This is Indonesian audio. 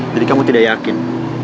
jadi kamu tidak yakin